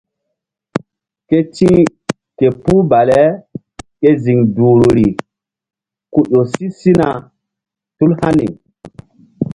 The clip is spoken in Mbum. Ke ti̧h ke puh baleke ziŋ duhruri ku si sina tul hani.